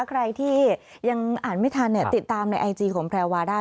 ใครที่ยังอ่านไม่ทันติดตามในไอจีของแพรวาได้